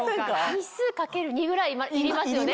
日数掛ける２ぐらいいりますよね